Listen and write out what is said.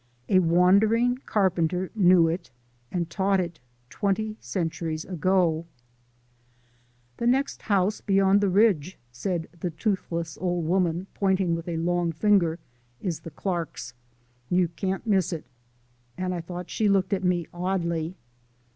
A Wandering Carpenter knew it, and taught it, twenty centuries ago. "The next house beyond the ridge," said the toothless old woman, pointing with a long finger, "is the Clarks'. You can't miss it," and I thought she looked at me oddly.